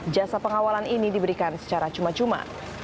jasa pengawalan ini diberikan secara cuma cuma